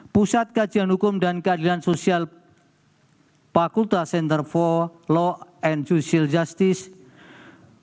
pusat kajian hukum dan keadilan sosial fakultas center for low and juicial justice